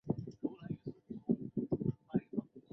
独立式圣安得烈十字有一个骨架来支撑整个十字。